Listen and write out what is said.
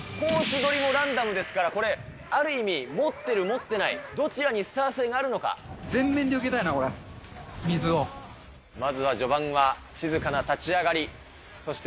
取りもランダムですから、これ、ある意味、持ってる、持ってない、全面で受けたいな、これ、まずは序盤は、静かな立ち上がり。